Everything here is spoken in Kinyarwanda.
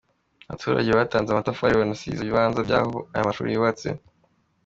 Abaturage batanze amatafari, banasiza ibibanza by’aho aya mashuri yubatse.